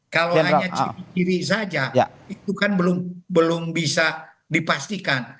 kalau hanya kiri saja itu kan belum bisa dipastikan